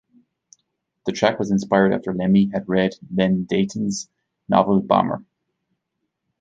The track was inspired after Lemmy had read Len Deighton's novel "Bomber".